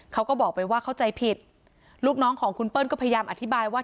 เขาก็บอกไปว่าเข้าใจผิดลูกน้องของคุณเปิ้ลก็พยายามอธิบายว่า